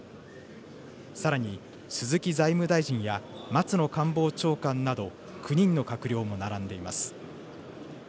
さらに鈴木財務大臣や松野官房長官など、９人の閣僚が並んでいます。